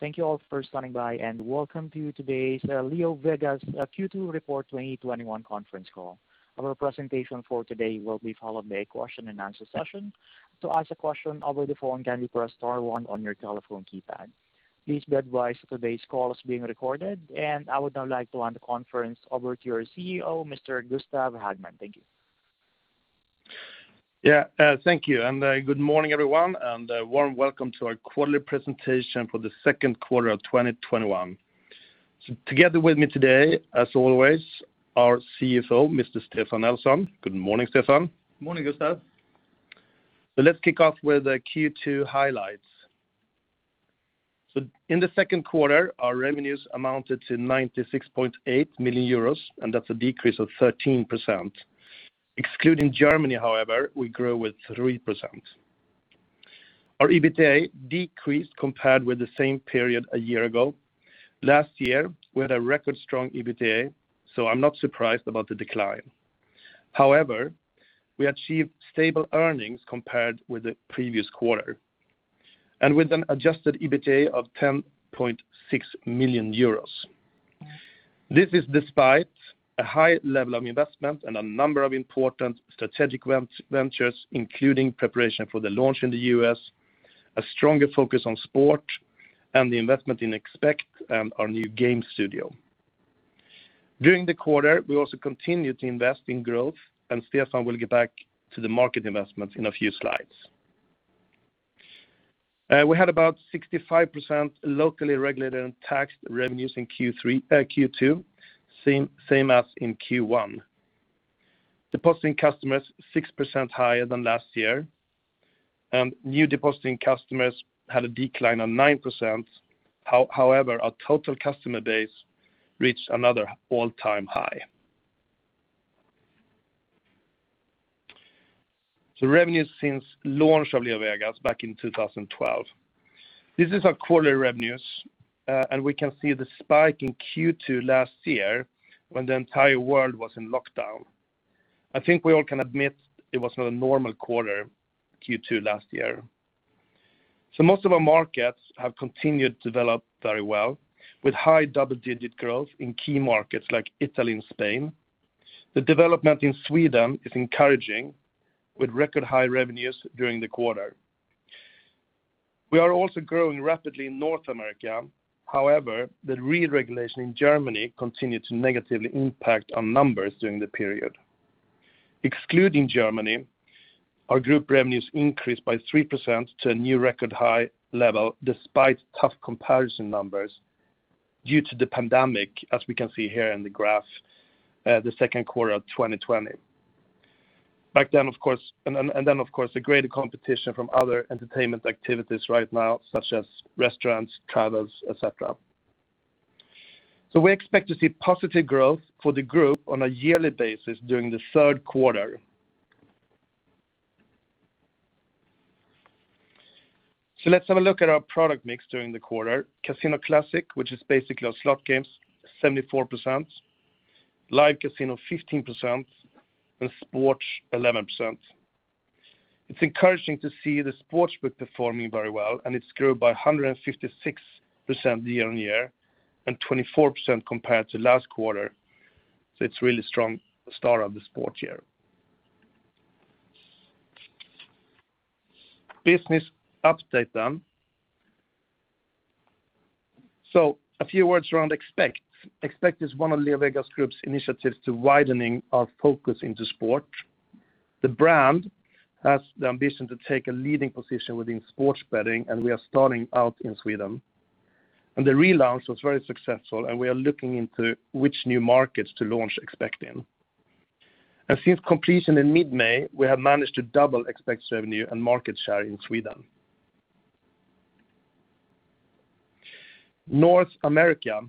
Thank you all for standing by, and welcome to today's LeoVegas Q2 Report 2021 conference call. Our presentation for today will be followed by a question and answer session. To ask a question over the phone, can you press star one on your telephone keypad? Please be advised today's call is being recorded. I would now like to hand the conference over to our CEO, Mr. Gustaf Hagman. Thank you. Yeah. Thank you. Good morning, everyone, and warm welcome to our quarterly presentation for the second quarter of 2021. Together with me today, as always, our CFO, Mr. Stefan Nelson. Good morning, Stefan. Morning, Gustaf. Let's kick off with the Q2 highlights. In the second quarter, our revenues amounted to 96.8 million euros, and that's a decrease of 13%. Excluding Germany, however, we grew with 3%. Our EBITDA decreased compared with the same period a year ago. Last year, we had a record-strong EBITDA, so I'm not surprised about the decline. However, we achieved stable earnings compared with the previous quarter, and with an adjusted EBITDA of 10.6 million euros. This is despite a high level of investment and a number of important strategic ventures, including preparation for the launch in the US, a stronger focus on sport, and the investment in Expekt and our new game studio. During the quarter, we also continued to invest in growth, and Stefan Nelson will get back to the market investments in a few slides. We had about 65% locally regulated and taxed revenues in Q2, same as in Q1. Depositing customers, 6% higher than last year. New depositing customers had a decline of 9%. Our total customer base reached another all-time high. Revenues since launch of LeoVegas back in 2012. This is our quarterly revenues. We can see the spike in Q2 last year when the entire world was in lockdown. I think we all can admit it was not a normal quarter, Q2 last year. Most of our markets have continued to develop very well, with high double-digit growth in key markets like Italy and Spain. The development in Sweden is encouraging, with record-high revenues during the quarter. We are also growing rapidly in North America. The re-regulation in Germany continued to negatively impact our numbers during the period. Excluding Germany, our Group revenues increased by 3% to a new record-high level despite tough comparison numbers due to the pandemic, as we can see here in the graph, the second quarter of 2020. Of course, the greater competition from other entertainment activities right now, such as restaurants, travels, et cetera. We expect to see positive growth for the Group on a yearly basis during the third quarter. Let's have a look at our product mix during the quarter. Casino Classic, which is basically our slot games, 74%, Live Casino 15%, and Sports 11%. It's encouraging to see the sportsbook performing very well, and it's grown by 156% year-on-year, and 24% compared to last quarter. It's a really strong start of the sports year. Business update then. A few words around Expekt. Expekt is one of LeoVegas Group's initiatives to widening our focus into sport. The brand has the ambition to take a leading position within sports betting. We are starting out in Sweden. The relaunch was very successful, and we are looking into which new markets to launch Expekt in. Since completion in mid-May, we have managed to double Expekt's revenue and market share in Sweden. North America.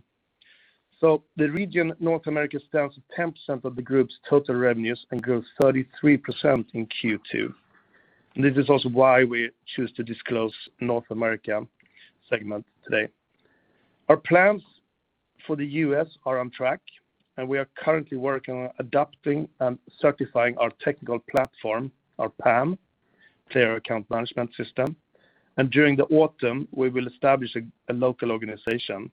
The region North America stands at 10% of the group's total revenues and grows 33% in Q2. This is also why we choose to disclose North America segment today. Our plans for the U.S. are on track, and we are currently working on adapting and certifying our technical platform, our PAM, player account management system. During the autumn, we will establish a local organization.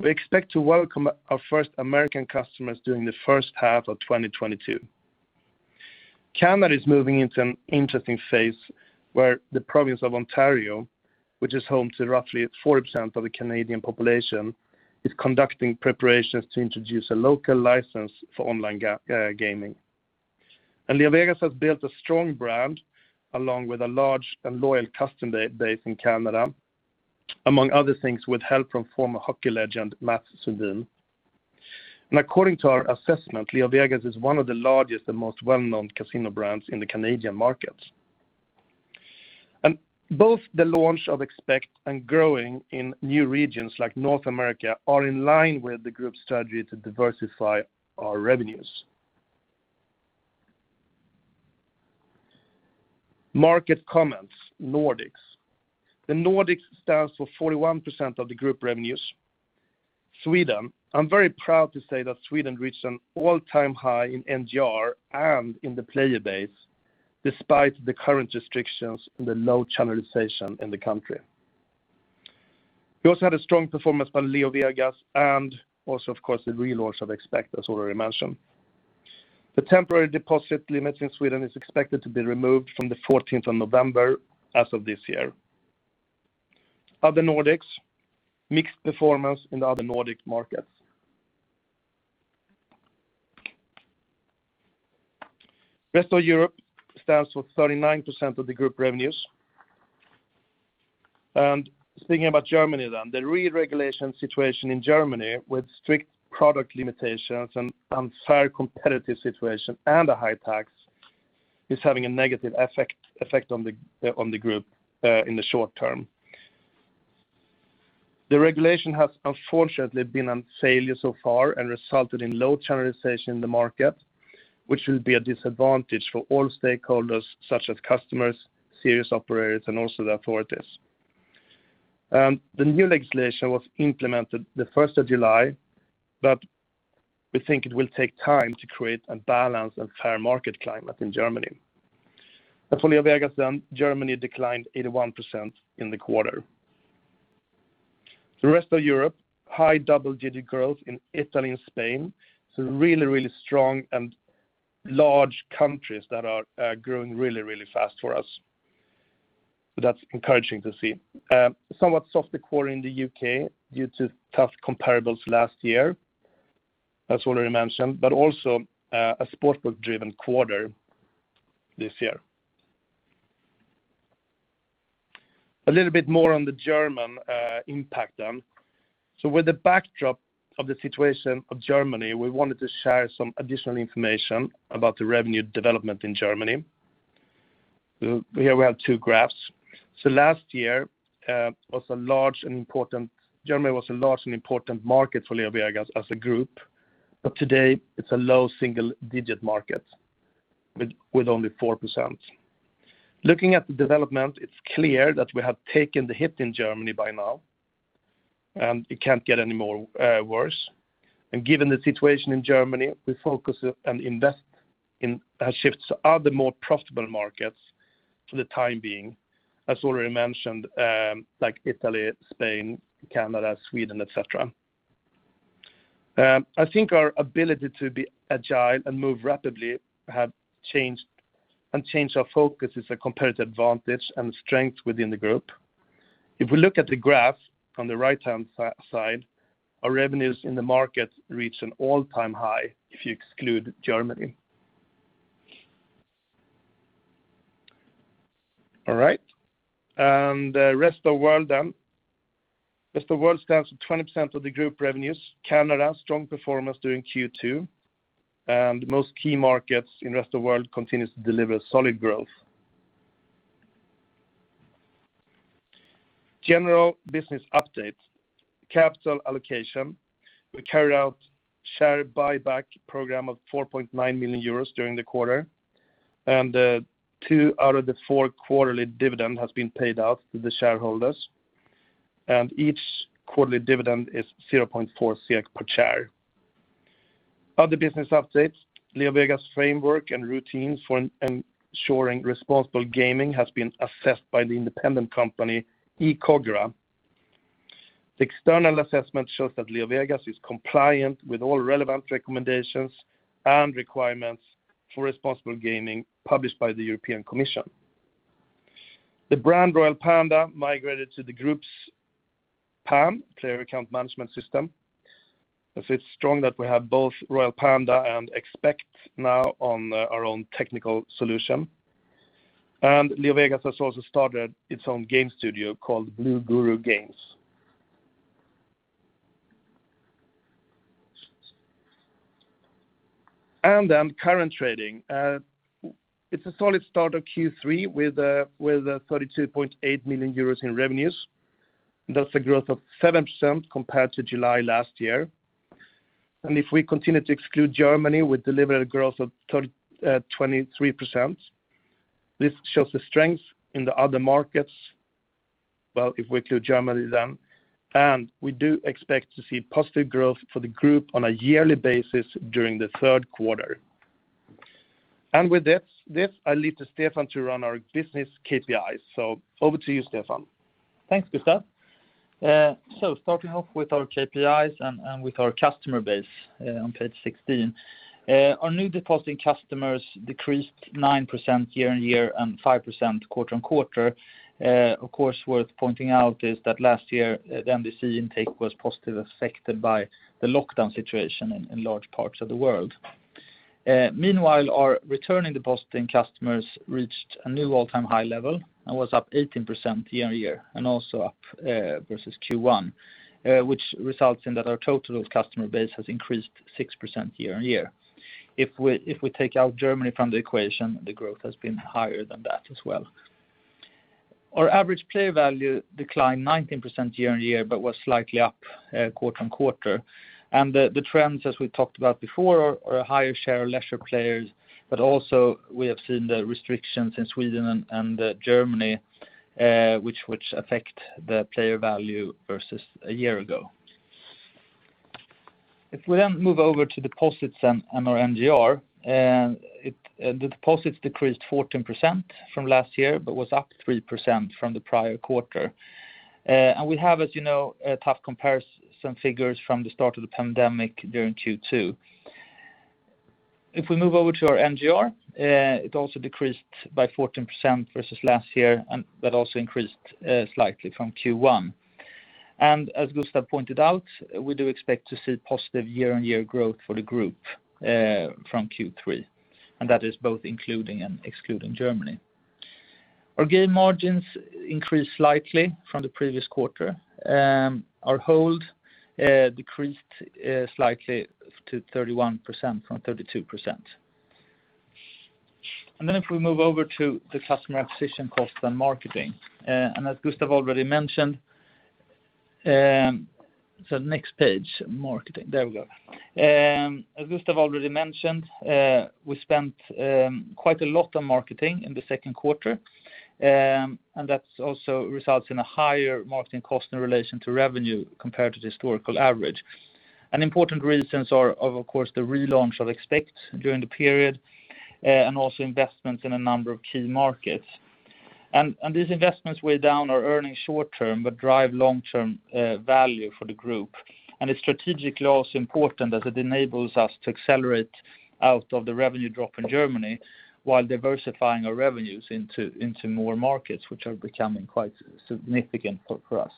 We expect to welcome our first American customers during the first half of 2022. Canada is moving into an interesting phase where the Province of Ontario, which is home to roughly 40% of the Canadian population, is conducting preparations to introduce a local license for online gaming. LeoVegas has built a strong brand, along with a large and loyal customer base in Canada, among other things, with help from former hockey legend Mats Sundin. According to our assessment, LeoVegas is one of the largest and most well-known casino brands in the Canadian market. Both the launch of Expekt and growing in new regions like North America are in line with the group's strategy to diversify our revenues. Market comments, Nordics. The Nordics stands for 41% of the group revenues. Sweden. I'm very proud to say that Sweden reached an all-time high in NGR and in the player base, despite the current restrictions and the low channelization in the country. We also had a strong performance by LeoVegas and also, of course, the relaunch of Expekt, as already mentioned. The temporary deposit limits in Sweden is expected to be removed from the 14th of November as of this year. Other Nordics, mixed performance in the other Nordic markets. Rest of Europe stands for 39% of the group revenues. Speaking about Germany then, the re-regulation situation in Germany with strict product limitations and unfair competitive situation and a high tax, is having a negative effect on the group in the short-term. The regulation has unfortunately been on failure so far and resulted in low channelization in the market, which will be a disadvantage for all stakeholders such as customers, serious operators, and also the authorities. The new legislation was implemented the 1st July, we think it will take time to create a balanced and fair market climate in Germany. For LeoVegas, Germany declined 81% in the quarter. The rest of Europe, high double-digit growth in Italy and Spain. Really strong and large countries that are growing really fast for us. That's encouraging to see. Somewhat softer quarter in the U.K. due to tough comparables last year, as already mentioned, but also a sportsbook-driven quarter this year. A little bit more on the German impact then. With the backdrop of the situation of Germany, we wanted to share some additional information about the revenue development in Germany. Here we have two graphs. Last year, Germany was a large and important market for LeoVegas as a group. Today it's a low single-digit market with only 4%. Looking at the development, it's clear that we have taken the hit in Germany by now and it can't get any worse. Given the situation in Germany, the focus and investment has shifted to other more profitable markets for the time being, as already mentioned, like Italy, Spain, Canada, Sweden, et cetera. I think our ability to be agile and move rapidly and change our focus is a competitive advantage and strength within the group. If we look at the graph on the right-hand side, our revenues in the market reach an all-time high if you exclude Germany. All right. The rest of world then. Rest of world stands for 20% of the group revenues. Canada, strong performance during Q2, and most key markets in rest of world continues to deliver solid growth. General business update. Capital allocation. We carried out share buyback program of 4.9 million euros during the quarter. Two out of the 4 quarterly dividend has been paid out to the shareholders. Each quarterly dividend is 0.4 per share. Other business updates. LeoVegas' framework and routines for ensuring responsible gaming has been assessed by the independent company, eCOGRA. The external assessment shows that LeoVegas is compliant with all relevant recommendations and requirements for responsible gaming published by the European Commission. The brand Royal Panda migrated to the group's PAM, player account management system. It feels strong that we have both Royal Panda and Expekt now on our own technical solution. LeoVegas has also started its own game studio called Blue Guru Games. Current trading. It's a solid start of Q3 with 32.8 million euros in revenues. That's a growth of 7% compared to July last year. If we continue to exclude Germany, we delivered a growth of 23%. This shows the strength in the other markets. Well, if we include Germany then. We do expect to see positive growth for the Group on a yearly basis during the third quarter. With this, I leave to Stefan to run our business KPIs. Over to you, Stefan. Thanks, Gustaf. Starting off with our KPIs and with our customer base on page 16. Our new depositing customers decreased 9% year-on-year and 5% quarter-on-quarter. Of course, worth pointing out is that last year, the NDC intake was positively affected by the lockdown situation in large parts of the world. Meanwhile, our returning depositing customers reached a new all-time high level and was up 18% year-on-year and also up versus Q1, which results in that our total customer base has increased 6% year-on-year. If we take out Germany from the equation, the growth has been higher than that as well. Our average player value declined 19% year-on-year, but was slightly up quarter-on-quarter. The trends, as we talked about before, are higher share of leisure players, but also we have seen the restrictions in Sweden and Germany, which affect the player value versus a year ago. If we move over to deposits and our NGR, the deposits decreased 14% from last year, but was up 3% from the prior quarter. We have, as you know, a tough comparison figures from the start of the pandemic during Q2. If we move over to our NGR, it also decreased by 14% versus last year and that also increased slightly from Q1. As Gustaf pointed out, we do expect to see positive year-on-year growth for the group from Q3. That is both including and excluding Germany. Our game margins increased slightly from the previous quarter. Our hold decreased slightly to 31% from 32%. If we move over to the customer acquisition cost and marketing, as Gustaf already mentioned. Next page, marketing. There we go. As Gustaf already mentioned, we spent quite a lot on marketing in the second quarter, and that also results in a higher marketing cost in relation to revenue compared to the historical average. Important reasons are, of course, the relaunch of Expekt during the period, and also investments in a number of key markets. These investments weigh down our earnings short-term, but drive long-term value for the group. It's strategically also important that it enables us to accelerate out of the revenue drop in Germany while diversifying our revenues into more markets, which are becoming quite significant for us.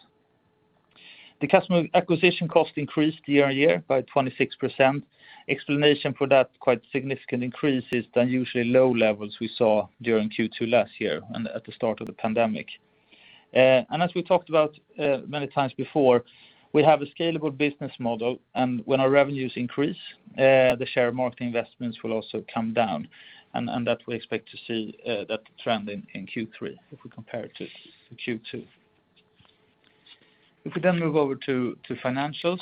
The customer acquisition cost increased year-on-year by 26%. Explanation for that quite significant increase is the unusually low levels we saw during Q2 last year and at the start of the pandemic. As we talked about many times before, we have a scalable business model, and when our revenues increase, the share of marketing investments will also come down, and that we expect to see that trend in Q3 if we compare it to Q2. If we then move over to financials.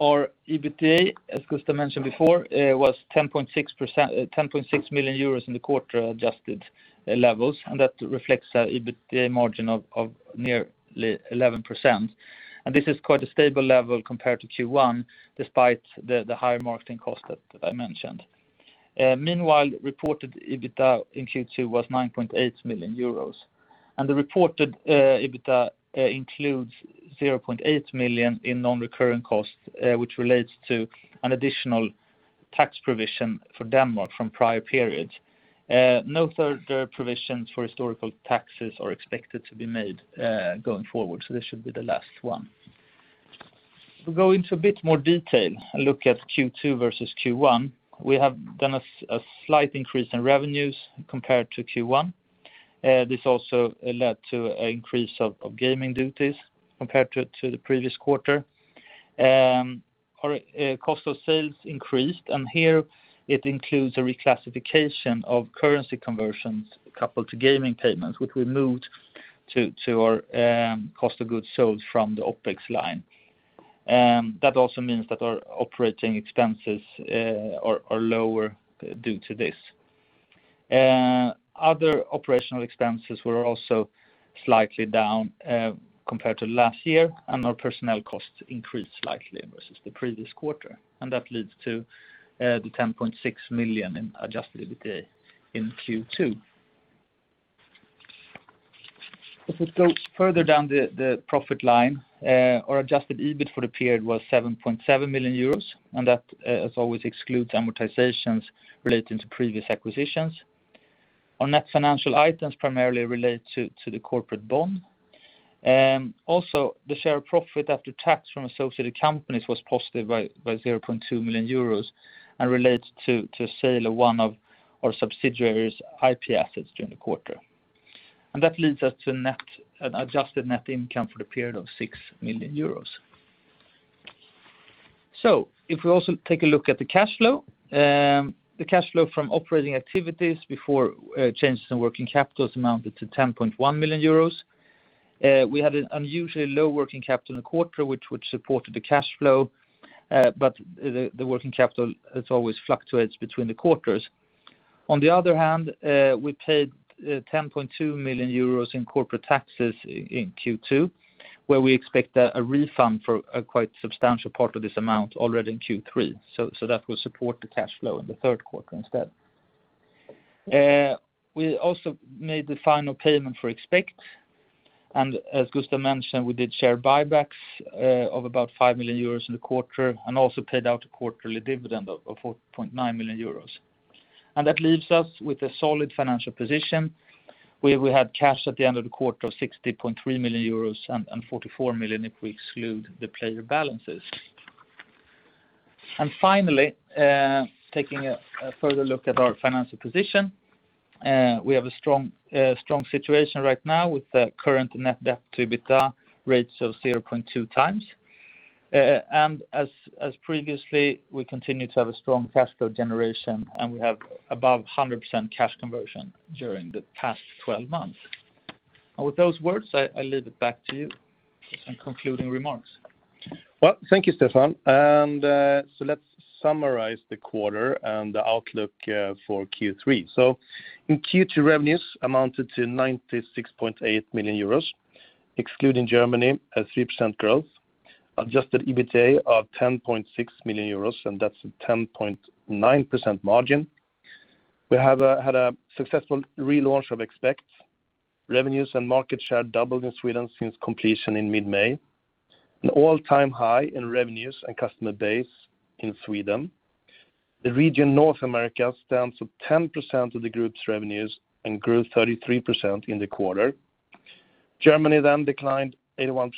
Our EBITDA, as Gustaf mentioned before, was 10.6 million euros in the quarter adjusted levels, and that reflects our EBITDA margin of nearly 11%. This is quite a stable level compared to Q1, despite the higher marketing cost that I mentioned. Meanwhile, reported EBITDA in Q2 was 9.8 million euros. The reported EBITDA includes 0.8 million in non-recurring costs, which relates to an additional tax provision for Denmark from prior periods. No further provisions for historical taxes are expected to be made going forward, so this should be the last one. If we go into a bit more detail and look at Q2 versus Q1, we have done a slight increase in revenues compared to Q1. This also led to an increase of gaming duties compared to the previous quarter. Our cost of sales increased. Here it includes a reclassification of currency conversions coupled to gaming payments, which we moved to our cost of goods sold from the OpEx line. That also means that our operating expenses are lower due to this. Other operational expenses were also slightly down compared to last year. Our personnel costs increased slightly versus the previous quarter. That leads to the 10.6 million in adjusted EBITDA in Q2. If we go further down the profit line, our adjusted EBIT for the period was 7.7 million euros. That as always excludes amortizations relating to previous acquisitions. Our net financial items primarily relate to the corporate bond. The share of profit after tax from associated companies was positive by 0.2 million euros and relates to sale of one of our subsidiary's IP assets during the quarter. That leads us to an adjusted net income for the period of 6 million euros. If we also take a look at the cash flow. The cash flow from operating activities before changes in working capital amounted to 10.1 million euros. We had an unusually low working capital in the quarter, which supported the cash flow, but the working capital, as always, fluctuates between the quarters. On the other hand, we paid 10.2 million euros in corporate taxes in Q2, where we expect a refund for a quite substantial part of this amount already in Q3. That will support the cash flow in the third quarter instead. We also made the final payment for Expekt. As Gustaf mentioned, we did share buybacks of about 5 million euros in the quarter and also paid out a quarterly dividend of 4.9 million euros. That leaves us with a solid financial position, where we had cash at the end of the quarter of 60.3 million euros and 44 million if we exclude the player balances. Finally, taking a further look at our financial position. We have a strong situation right now with the current net debt to EBITDA rates of 0.2 times. As previously, we continue to have a strong cash flow generation, and we have above 100% cash conversion during the past 12 months. With those words, I leave it back to you for some concluding remarks. Well, thank you, Stefan. Let's summarize the quarter and the outlook for Q3. In Q2, revenues amounted to 96.8 million euros, excluding Germany, a 3% growth. Adjusted EBITDA of 10.6 million euros, and that's a 10.9% margin. We have had a successful relaunch of Expekt. Revenues and market share doubled in Sweden since completion in mid-May. An all-time high in revenues and customer base in Sweden. The region North America stands for 10% of the group's revenues and grew 33% in the quarter. Germany declined 81%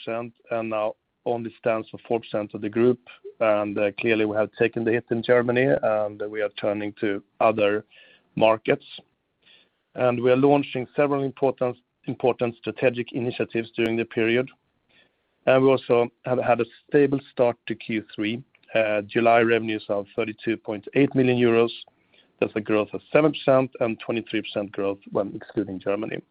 and now only stands for 4% of the group. Clearly we have taken the hit in Germany, and we are turning to other markets. We are launching several important strategic initiatives during the period. We also have had a stable start to Q3. July revenues are 32.8 million euros. That's a growth of 7% and 23% growth when excluding Germany.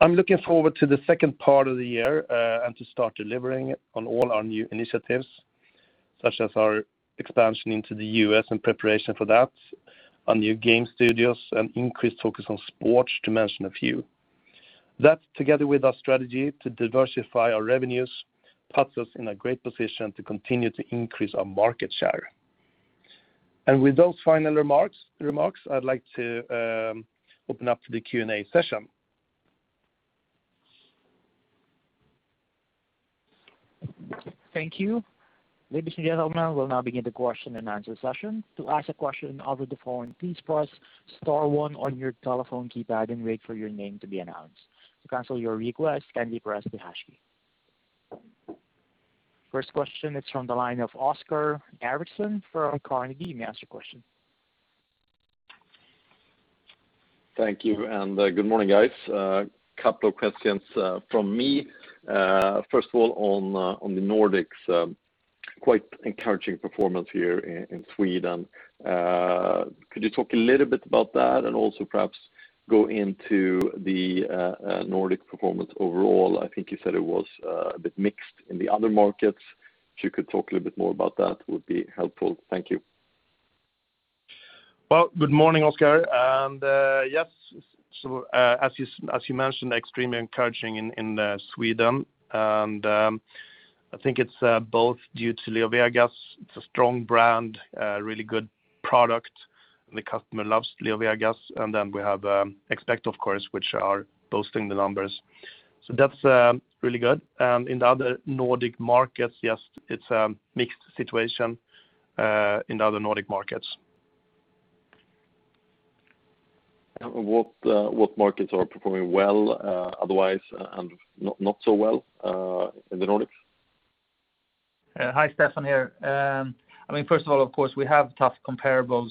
I'm looking forward to the second part of the year, and to start delivering on all our new initiatives, such as our expansion into the U.S. and preparation for that, our new game studios, and increased focus on sports, to mention a few. That, together with our strategy to diversify our revenues, puts us in a great position to continue to increase our market share. With those final remarks, I'd like to open up to the Q&A session. Thank you. Ladies and gentlemen, we'll now begin the question and answer session. To ask a question over the phone, please press star one on your telephone keypad and wait for your name to be announced. To cancel your request, can you press the hash key. First question is from the line of Oscar Erixon from Carnegie. You may ask your question. Thank you. Good morning, guys. Couple of questions from me. First of all, on the Nordics, quite encouraging performance here in Sweden. Could you talk a little bit about that and also perhaps go into the Nordic performance overall? I think you said it was a bit mixed in the other markets. If you could talk a little bit more about that, would be helpful. Thank you. Well, good morning, Oscar. Yes, so as you mentioned, extremely encouraging in Sweden. I think it's both due to LeoVegas. It's a strong brand, a really good product, and the customer loves LeoVegas. We have Expekt, of course, which are boosting the numbers. That's really good. In the other Nordic markets, yes, it's a mixed situation in the other Nordic markets. What markets are performing well otherwise and not so well in the Nordics? Hi, Stefan here. Of course, we have tough comparables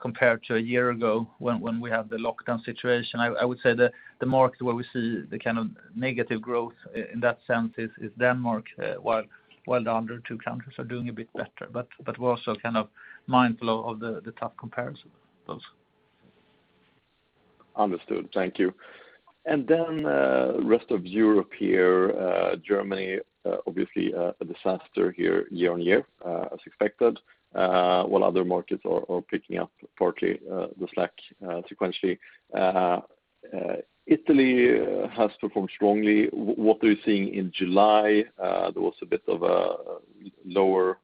compared to a year ago when we had the lockdown situation. I would say the market where we see the kind of negative growth in that sense is Denmark, while the other two countries are doing a bit better. We're also kind of mindful of the tough comparison. Understood. Thank you. Rest of Europe here, Germany, obviously a disaster here year-over-year, as expected, while other markets are picking up partly the slack sequentially. Italy has performed strongly. What are you seeing in July? There was a bit of a lower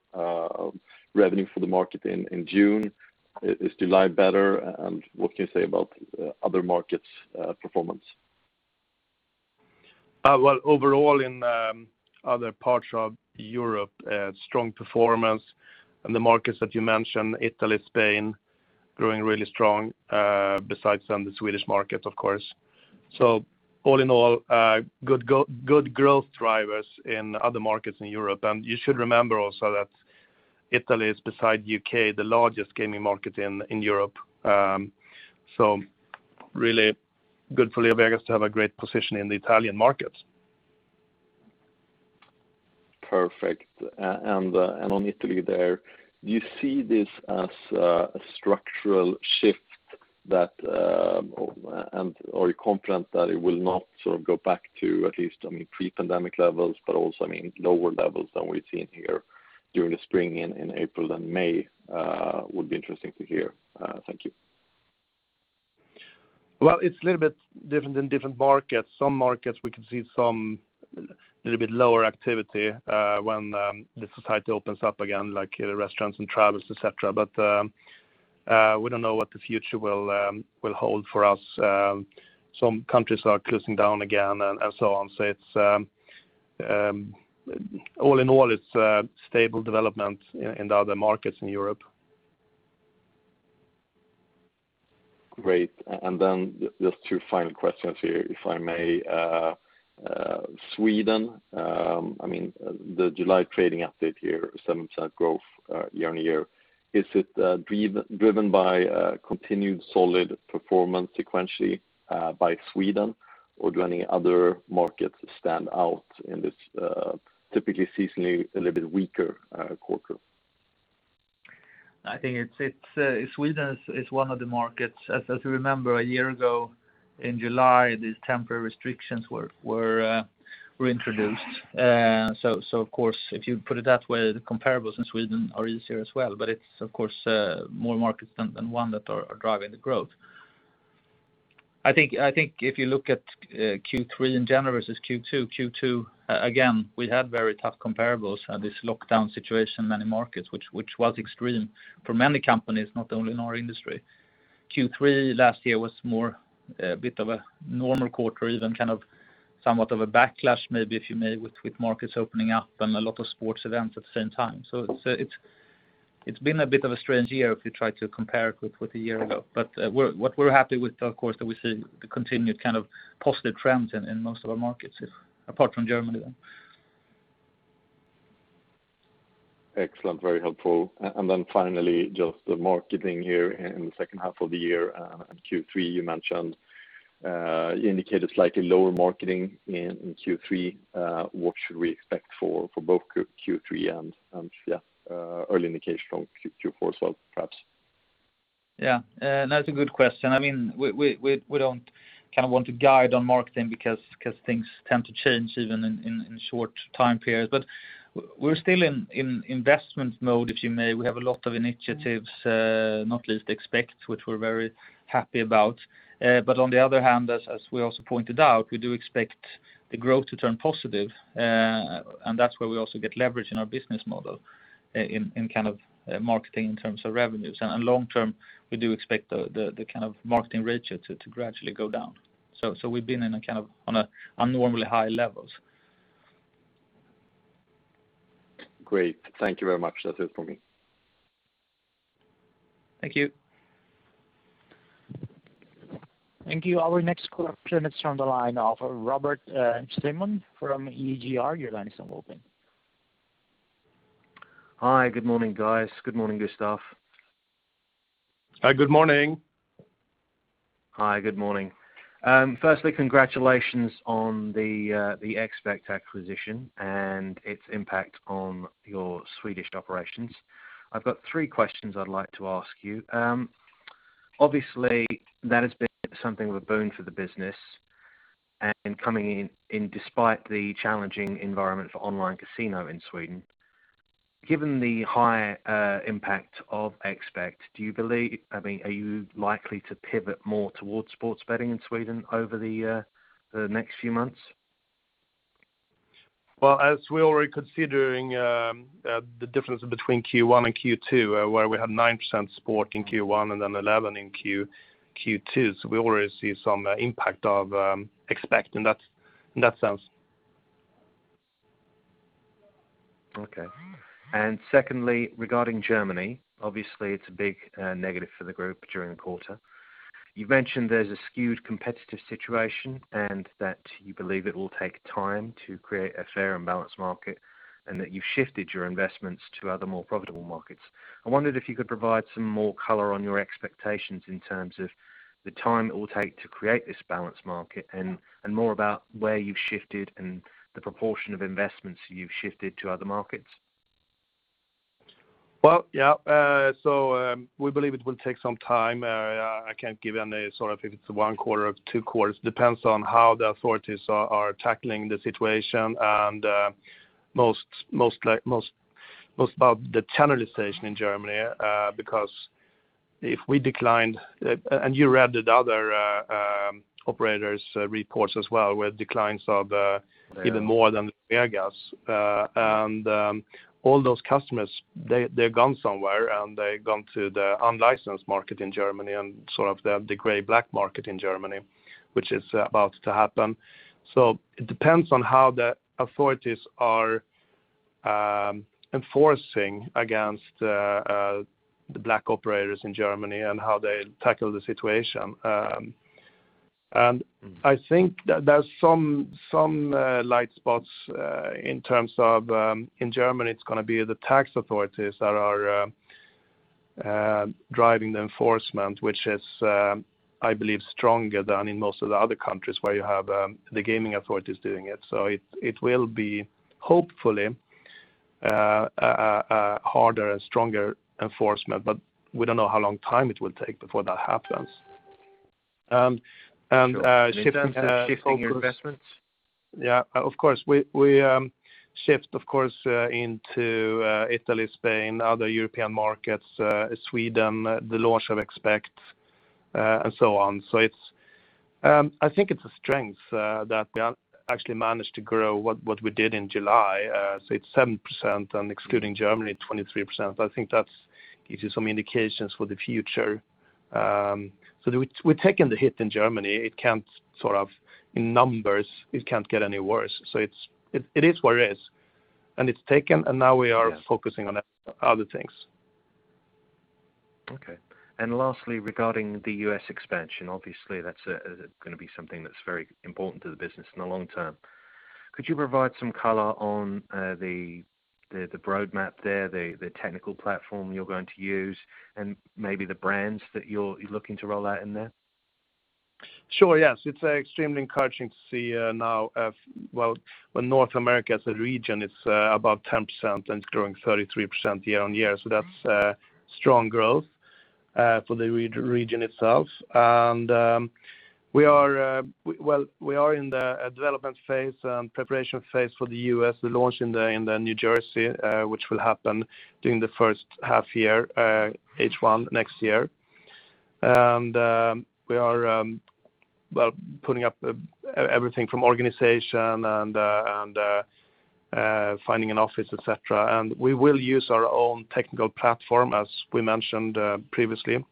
revenue for the market in June. Is July better? What can you say about other markets' performance? Well, overall in other parts of Europe, strong performance in the markets that you mentioned, Italy, Spain, growing really strong, besides the Swedish markets, of course. All in all, good growth drivers in other markets in Europe. You should remember also that Italy is, beside U.K., the largest gaming market in Europe. Really good for LeoVegas to have a great position in the Italian market. Perfect. On Italy there, do you see this as a structural shift, or are you confident that it will not sort of go back to at least pre-pandemic levels, but also lower levels than we've seen here during the spring in April and May? Would be interesting to hear. Thank you. It's a little bit different in different markets. Some markets we can see some little bit lower activity when the society opens up again, like restaurants and travels, et cetera. We don't know what the future will hold for us. Some countries are closing down again, and so on. All in all, it's a stable development in the other markets in Europe. Great. Just two final questions here, if I may. Sweden, the July trading update here, 7% growth year-on-year. Is it driven by continued solid performance sequentially by Sweden, or do any other markets stand out in this typically seasonally a little bit weaker quarter? I think Sweden is one of the markets. As we remember a year ago in July, these temporary restrictions were introduced. Of course, if you put it that way, the comparables in Sweden are easier as well. It's of course, more markets than one that are driving the growth. I think if you look at Q3 in general versus Q2, again, we had very tough comparables and this lockdown situation in many markets, which was extreme for many companies, not only in our industry. Q3 last year was more a bit of a normal quarter even kind of somewhat of a backlash maybe if you may, with markets opening up and a lot of sports events at the same time. It's been a bit of a strange year if you try to compare it with a year ago. What we're happy with, of course, that we see the continued kind of positive trends in most of our markets apart from Germany then. Excellent. Very helpful. Finally, just the marketing here in the second half of the year and Q3, you mentioned, you indicated slightly lower marketing in Q3. What should we expect for both Q3 and, yeah, early indication on Q4 as well, perhaps? Yeah. That's a good question. We don't want to guide on marketing because things tend to change even in short time periods. We're still in investment mode, if you may. We have a lot of initiatives, not least Expekt, which we're very happy about. On the other hand, as we also pointed out, we do expect the growth to turn positive, and that's where we also get leverage in our business model in kind of marketing in terms of revenues. Long term, we do expect the kind of marketing ratio to gradually go down. We've been on a abnormally high levels. Great. Thank you very much. That's it from me. Thank you. Thank you. Our next question is on the line of Robert Simmons from EGR. Your line is now open. Hi. Good morning, guys. Good morning, Gustaf. Hi, good morning. Hi, good morning. Firstly, congratulations on the Expekt acquisition and its impact on your Swedish operations. I've got three questions I'd like to ask you. Obviously, that has been something of a boon for the business and coming in despite the challenging environment for online casino in Sweden. Given the high impact of Expekt, are you likely to pivot more towards sports betting in Sweden over the next few months? Well, as we already considering the difference between Q1 and Q2, where we had 9% sport in Q1 and then 11% in Q2. We already see some impact of Expekt in that sense. Okay. Secondly, regarding Germany, obviously it's a big negative for the group during the quarter. You've mentioned there's a skewed competitive situation, and that you believe it will take time to create a fair and balanced market, and that you've shifted your investments to other, more profitable markets. I wondered if you could provide some more color on your expectations in terms of the time it will take to create this balanced market and more about where you've shifted and the proportion of investments you've shifted to other markets. Well, yeah. We believe it will take some time. I can't give you any sort of if it's one quarter or two quarters. It depends on how the authorities are tackling the situation and most about the channelization in Germany. If we declined, and you read the other operators' reports as well, with declines of even more than LeoVegas. All those customers, they've gone somewhere, and they've gone to the unlicensed market in Germany and sort of the gray-black market in Germany, which is about to happen. It depends on how the authorities are enforcing against the black operators in Germany and how they tackle the situation. I think that there's some light spots in terms of, in Germany, it's going to be the tax authorities that are driving the enforcement, which is, I believe, stronger than in most of the other countries where you have the gaming authorities doing it. It will be hopefully a harder and stronger enforcement, but we don't know how long time it will take before that happens. Shifting your investments? Yeah. Of course, we shift, of course, into Italy, Spain, other European markets, Sweden, the launch of Expekt, and so on. I think it's a strength that we actually managed to grow what we did in July. It's 7%, and excluding Germany, 23%. I think that gives you some indications for the future. We've taken the hit in Germany. In numbers, it can't get any worse. It is what it is, and it's taken, and now we are focusing on other things. Okay. Lastly, regarding the U.S. expansion, obviously that's going to be something that's very important to the business in the long term. Could you provide some color on the roadmap there, the technical platform you're going to use, and maybe the brands that you're looking to roll out in there? Sure. Yes, it's extremely encouraging to see now, well, North America as a region, it's about 10% and growing 33% year-over-year. That's strong growth for the region itself. We are in the development phase and preparation phase for the U.S. We launch in New Jersey, which will happen during the first half year, H1 next year. We are putting up everything from organization and finding an office, et cetera. We will use our own technical platform, as we mentioned previously,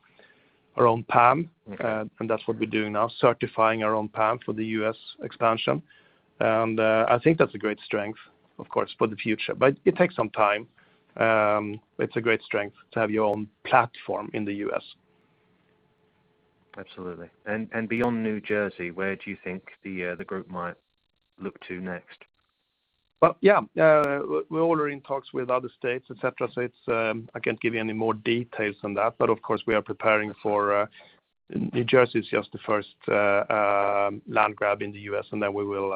our own PAM. That's what we're doing now, certifying our own PAM for the U.S. expansion. I think that's a great strength, of course, for the future. It takes some time. It's a great strength to have your own platform in the U.S. Absolutely. Beyond New Jersey, where do you think the group might look to next? Well, yeah. We're already in talks with other states, et cetera. I can't give you any more details on that, but of course, we are preparing for New Jersey is just the first land grab in the U.S., and then we will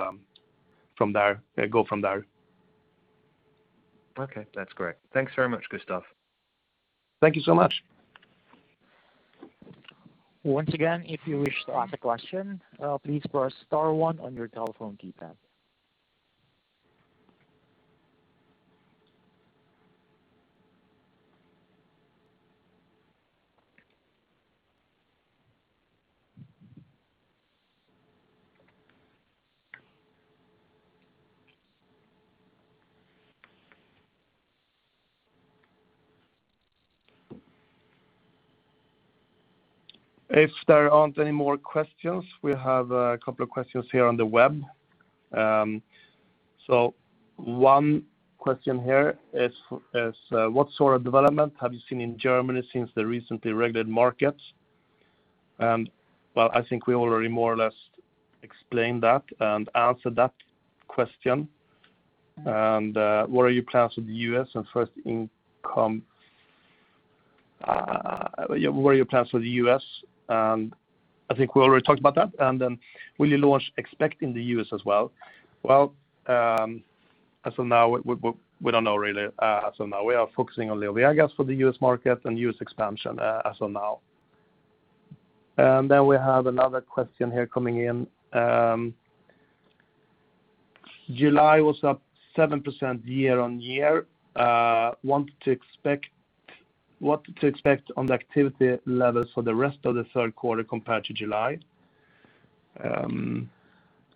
go from there. Okay, that's great. Thanks very much, Gustaf. Thank you so much. Once again, if you wish to ask a question, please press star one on your telephone keypad. If there aren't any more questions, we have a couple of questions here on the web. One question here is, "What sort of development have you seen in Germany since the recently regulated markets?" Well, I think we already more or less explained that and answered that question. "What are your plans for the U.S.?" I think we already talked about that. "Will you launch Expekt in the U.S. as well?" Well, as of now, we don't know really. As of now, we are focusing on LeoVegas for the U.S. market and U.S. expansion as of now. We have another question here coming in. "July was up 7% year-over-year. What to expect on the activity levels for the rest of the third quarter compared to July?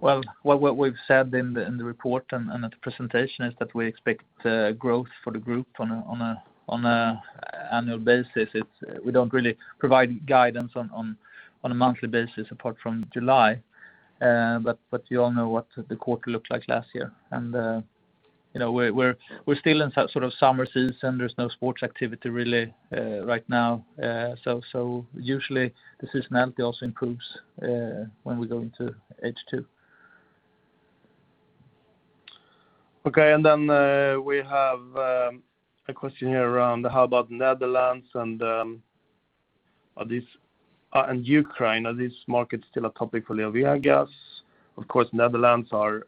Well, what we've said in the report and at the presentation is that we expect growth for the group on a annual basis. We don't really provide guidance on a monthly basis apart from July. You all know what the quarter looked like last year. We're still in sort of summer season. There's no sports activity really right now. Usually, the seasonality also improves when we go into H2. Okay, we have a question here around how about Netherlands and Ukraine. Are these markets still a topic for LeoVegas? Of course, Netherlands are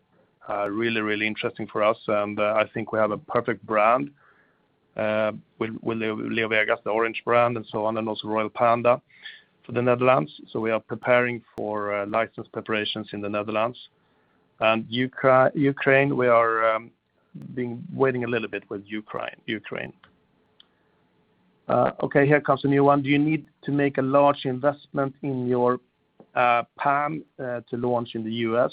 really interesting for us, I think we have a perfect brand with LeoVegas, the orange brand and so on, and also Royal Panda for the Netherlands. We are preparing for license preparations in the Netherlands. Ukraine, we are waiting a little bit with Ukraine. Okay, here comes a new one. Do you need to make a large investment in your PAM to launch in the U.S.?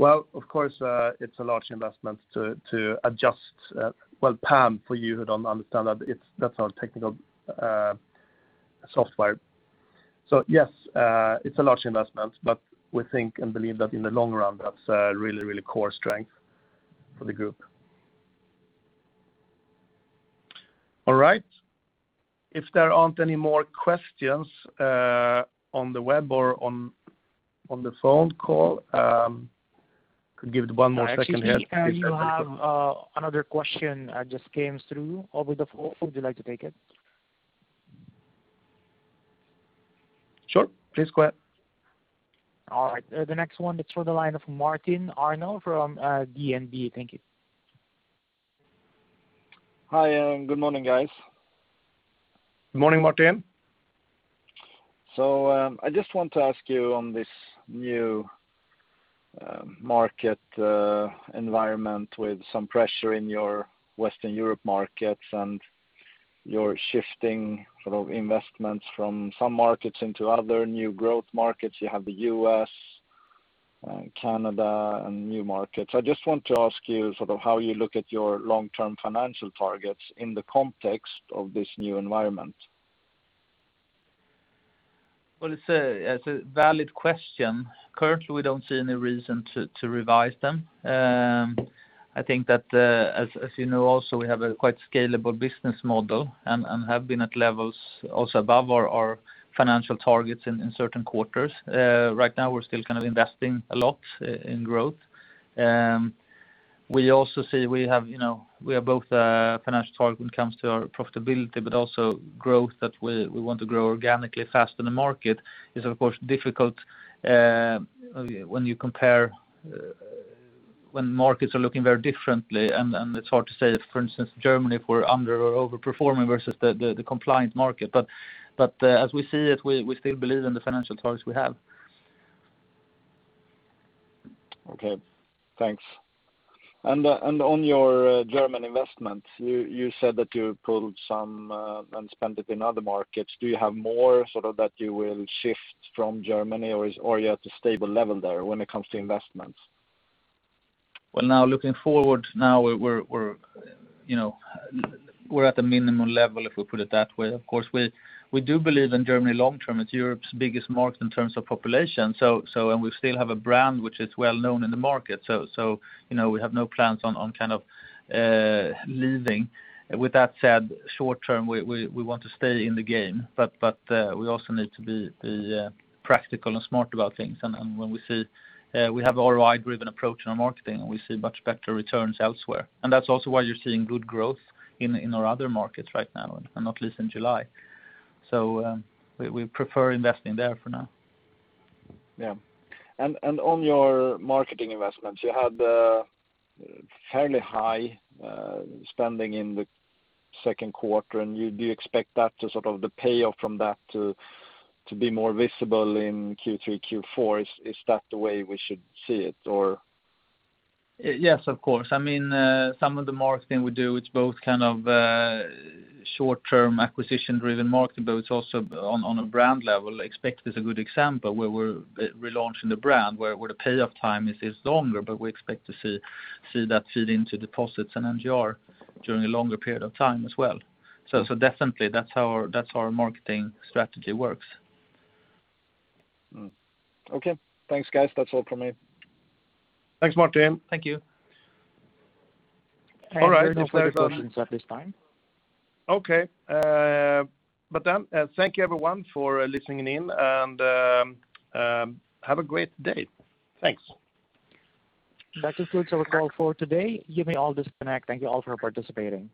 Well, of course, it's a large investment to adjust. Well, PAM for you who don't understand that's our technical software. Yes, it's a large investment, we think and believe that in the long run, that's a really core strength for the group. All right. If there aren't any more questions on the web or on the phone call, could give it one more second here. Actually, we have another question that just came through over the phone. Would you like to take it? Sure. Please go ahead. All right. The next one, it's for the line of Martin Arnell from DNB. Thank you. Hi, and good morning, guys. Morning, Martin. I just want to ask you on this new market environment with some pressure in your Western Europe markets and your shifting sort of investments from some markets into other new growth markets. You have the U.S., Canada, and new markets. I just want to ask you sort of how you look at your long-term financial targets in the context of this new environment. Well, it's a valid question. Currently, we don't see any reason to revise them. I think that, as you know also, we have a quite scalable business model and have been at levels also above our financial targets in certain quarters. Right now, we're still kind of investing a lot in growth. We also see we have both a financial target when it comes to our profitability, but also growth that we want to grow organically faster than the market. It's, of course, difficult when markets are looking very differently, and it's hard to say if, for instance, Germany if we're under or over-performing versus the compliant market. As we see it, we still believe in the financial targets we have. Okay, thanks. On your German investments, you said that you pulled some and spent it in other markets. Do you have more that you will shift from Germany, or are you at a stable level there when it comes to investments? Well, now looking forward, we're at a minimum level, if we put it that way. Of course, we do believe in Germany long-term. It's Europe's biggest market in terms of population. We still have a brand which is well-known in the market. We have no plans on leaving. With that said, short-term, we want to stay in the game, but we also need to be practical and smart about things. We have an ROI-driven approach in our marketing, and we see much better returns elsewhere. That's also why you're seeing good growth in our other markets right now, and not least in July. We prefer investing there for now. Yeah. On your marketing investments, you had fairly high spending in the second quarter, and do you expect the payoff from that to be more visible in Q3, Q4? Is that the way we should see it, or? Yes, of course. Some of the marketing we do, it's both short-term acquisition-driven marketing, but it's also on a brand level. Expekt is a good example, where we're relaunching the brand, where the payoff time is longer, but we expect to see that feed into deposits and NGR during a longer period of time as well. Definitely, that's how our marketing strategy works. Okay. Thanks, guys. That's all from me. Thanks, Martin. Thank you. All right. There are no further questions at this time. Okay. Thank you everyone for listening in, and have a great day. Thanks. That concludes our call for today. You may all disconnect. Thank you all for participating.